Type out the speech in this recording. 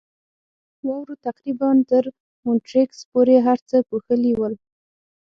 واورو تقریباً تر مونیټریکس پورې هر څه پوښلي ول.